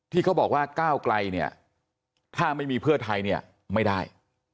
ที่เขาบอกว่าก้าวไกลเนี่ยถ้าไม่มีเพื่อไทยเนี่ยไม่ได้